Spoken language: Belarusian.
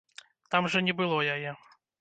Там жа не было яе.